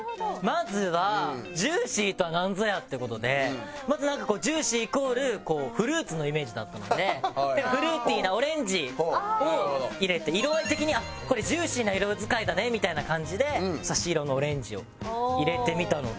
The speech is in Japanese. まずは「ジューシー」とはなんぞや？って事でまずなんかこう「ジューシー」イコールフルーツのイメージだったのでフルーティーなオレンジを入れて色合い的にこれジューシーな色使いだねみたいな感じで差し色のオレンジを入れてみたのと。